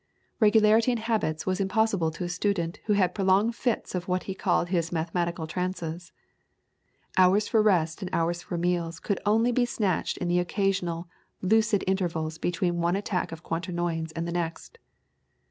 Regularity in habits was impossible to a student who had prolonged fits of what he called his mathematical trances. Hours for rest and hours for meals could only be snatched in the occasional the lucid intervals between one attack of Quaternions and the next.